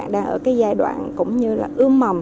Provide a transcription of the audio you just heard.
đã ở cái giai đoạn cũng như là ưu mầm